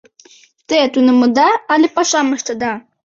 Те тунемыда але пашам ыштеда?